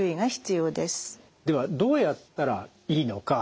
ではどうやったらいいのか。